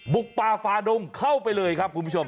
ป่าฟาดงเข้าไปเลยครับคุณผู้ชม